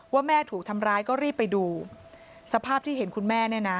ว่าแม่ถูกทำร้ายก็รีบไปดูสภาพที่เห็นคุณแม่เนี่ยนะ